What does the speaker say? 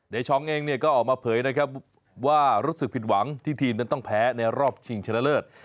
ช้องเองเนี่ยก็ออกมาเผยนะครับว่ารู้สึกผิดหวังที่ทีมนั้นต้องแพ้ในรอบชิงชนะเลิศ